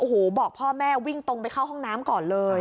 โอ้โหบอกพ่อแม่วิ่งตรงไปเข้าห้องน้ำก่อนเลย